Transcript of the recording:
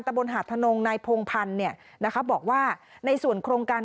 บนหาดทนงนายพงพันธ์เนี่ยนะคะบอกว่าในส่วนโครงการ